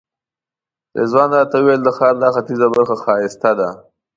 رضوان راته وویل د ښار دا ختیځه برخه ښایسته ده.